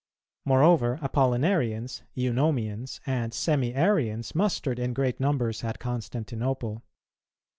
Moreover, Apollinarians, Eunomians, and Semi arians, mustered in great numbers at Constantinople.